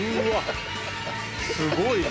すごいな。